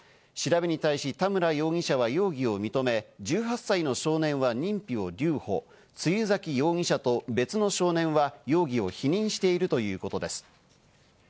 調べに対し田村容疑者は容疑を認め、１８歳の少年は認否を留保、露崎容疑者と別の少年は容疑を否認しているということです。